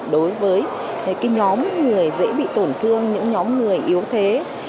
đối với nhóm người dễ bị tổn thương những nhóm người yếu thế